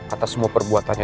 atas semua perbuatannya